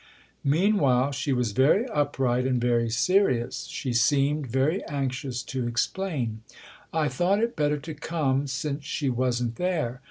Meanwhile she was very upright and very serious ; she seemed very anxious to explain. " I thought it better to come, since she wasn't there.